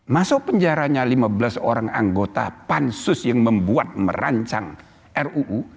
masuk penjaranya lima belas orang anggota pansus yang membuat merancang ruu